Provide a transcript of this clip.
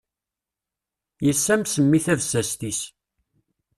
Yessames mmi tabasast-is.